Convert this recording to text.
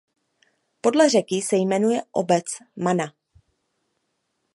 Podle řeky se jmenuje obec Mana.